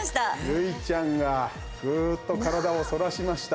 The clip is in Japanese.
結実ちゃんがぐっと体をそらしました。